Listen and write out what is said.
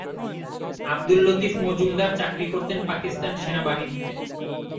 আবদুল লতিফ মজুমদার চাকরি করতেন পাকিস্তান সেনাবাহিনীতে।